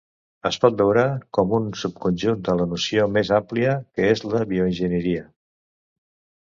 Es pot veure com un subconjunt de la noció més àmplia que és la bioenginyeria.